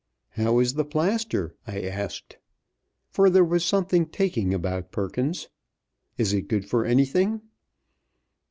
"How is the plaster?" I asked, for there was something taking about Perkins. "Is it good for anything?"